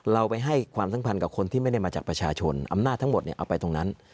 เราไปให้ความสัมพันธ์กับคนที่ไม่ได้มาจากประชาชนอำนาจทั้งหมดเอาไปตรงนั้น